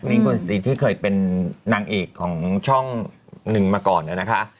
นิ้งกุลสตรีที่เคยเป็นนางเอกของช่องนึงมาก่อนแล้วนะคะ